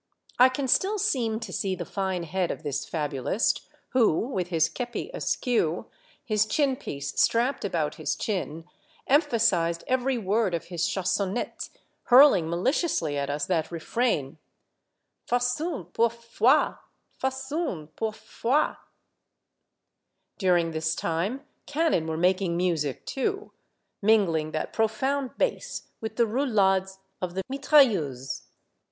I can still seem to see the fine head of this fabulist, who, with his kepi askew, his chin piece strapped about his chin, emphasized every word of his chan sonnette, hurling maliciously at us that refrain, —" Facun pourfoi — facun pour foiT During this time cannon were making music too, mingling that profound bass with the roulades of the mitrailleuses.